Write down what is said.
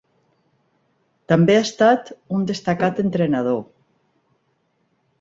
També ha estat un destacat entrenador.